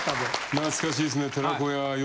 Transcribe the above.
懐かしいですね。